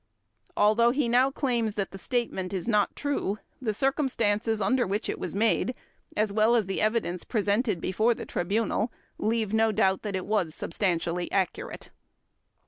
Although he now claims that the statement is not true, the circumstances under which it was made, as well as the evidence presented before the Tribunal, leave no doubt that it was substantially accurate.